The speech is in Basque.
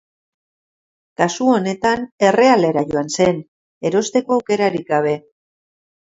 Kasu honetan, errealera joan zen, erosteko aukerarik gabe.